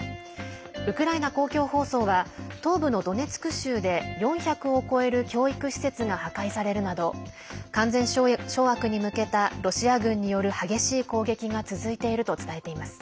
ウクライナ公共放送は東部のドネツク州で４００を超える教育施設が破壊されるなど完全掌握に向けたロシア軍による激しい攻撃が続いていると伝えています。